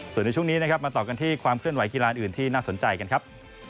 ส่วนในช่วงนี้นะครับมาต่อกันที่ความเคลื่อนไหกีฬาอื่นที่น่าสนใจกันครับ